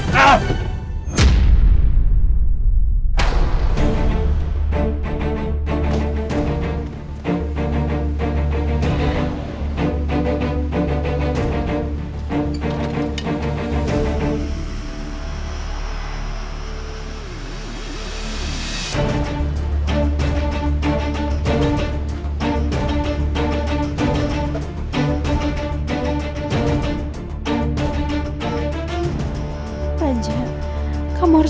coba yang terus